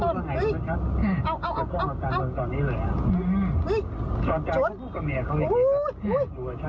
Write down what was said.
อ๋อโอ้อย่าทานนี่เลยอ่ะเฮ้ยชนโอ้โห